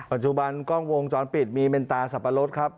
ปัจจุบันกล้องวงจรปิดมีเมนตาสับปะรดครับ